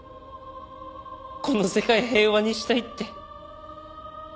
この世界平和にしたいって。